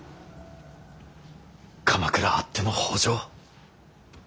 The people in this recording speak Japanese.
鎌倉あっての北条。